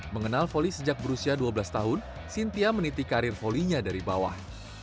mengenal voli sejak berusia dua belas tahun sintia meniti karir volinya dari bawah